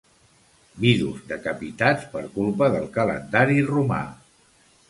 Vidus decapitats per culpa del calendari romà.